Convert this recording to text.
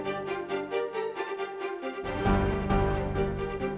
jangan jangan pukul diem